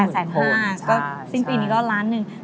ซิ่งปีนี้ก็ล้านหนึ่ง